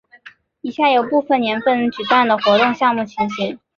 以下有部分年份举办的活动项目情形。